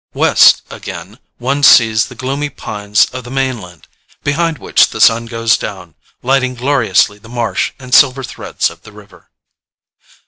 West, again, one sees the gloomy pines of the main land, behind which the sun goes down, lighting gloriously the marsh and silver threads of the river.